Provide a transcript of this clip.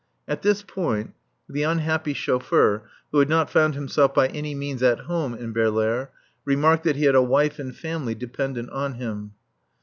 At this point the unhappy chauffeur, who had not found himself by any means at home in Baerlaere, remarked that he had a wife and family dependent on him.